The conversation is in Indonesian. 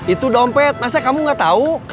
itu dompet masa kamu gak tahu